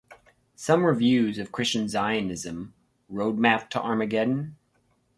Some reviews of Christian Zionism - Road Map to Armageddon?